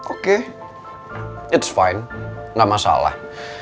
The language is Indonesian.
oke it's fine gak masalah